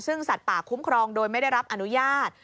ซึ่งสัตว์ป่าคุ้มครองโดยไม่ได้รับอนุญาต